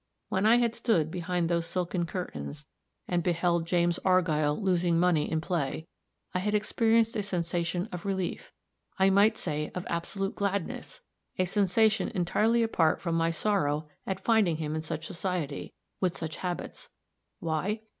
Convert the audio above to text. When I had stood behind those silken curtains, and beheld James Argyll losing money in play, I had experienced a sensation of relief I might say of absolute gladness a sensation entirely apart from my sorrow at finding him in such society, with such habits. Why?